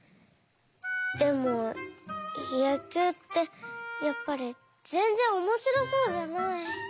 でもやきゅうってやっぱりぜんぜんおもしろそうじゃない。